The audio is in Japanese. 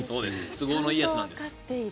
都合のいいやつなんです。